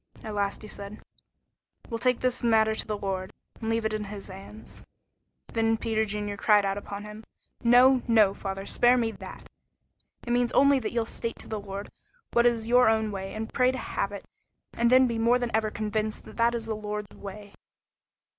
At last he said, "We'll take this matter to the Lord, and leave it in his hands." Then Peter Junior cried out upon him: "No, no, father; spare me that. It only means that you'll state to the Lord what is your own way, and pray to have it, and then be more than ever convinced that it is the Lord's way."